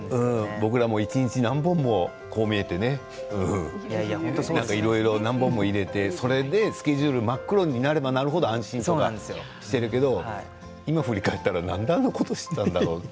僕らも一日、何本もこう見えてね何本も入れてスケジュールが真っ黒になればなるほど安心しているけれども今、振り返ったら、なんであんなことしていたんだろうって。